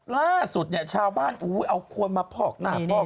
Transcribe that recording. ล่าสุดเนี่ยชาวบ้านเอาคนมาพอกหน้าพอก